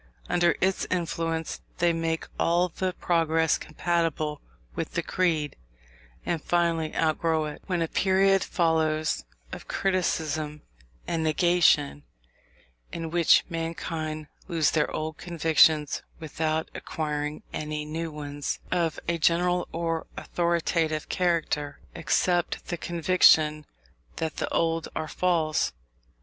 Under its influence they make all the progress compatible with the creed, and finally outgrow it; when a period follows of criticism and negation, in which mankind lose their old convictions without acquiring any new ones, of a general or authoritative character, except the conviction that the old are false.